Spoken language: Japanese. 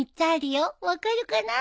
分かるかな？